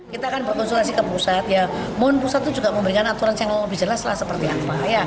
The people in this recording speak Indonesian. kita akan berkonsultasi ke pusat ya mohon pusat itu juga memberikan aturan yang lebih jelas lah seperti apa